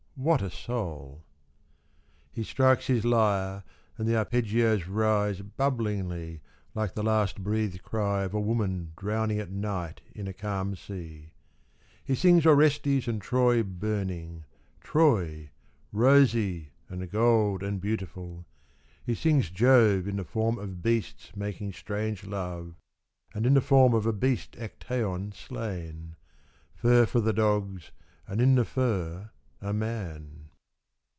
What a soul !) He strikes his lyre and the arpeggios rise Bubblingly, like the last breathed cry Of a woman drowning at night in a calm sea. He sings Orestes and Troy burning— Troy, Eosy and gold and beautiful — he sings Jove in the form of beasts making strange love, And in the f orm~ of a beast Actaeon slain — Fur for the dogs and in the fur a man.